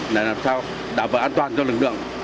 để làm sao đảm bảo an toàn cho lực lượng